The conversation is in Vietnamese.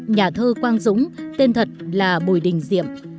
nhà thơ quang dũng tên thật là bùi đình diệm